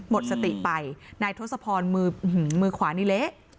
หมดสติไปนายทศพรมือมือขวานี่เละ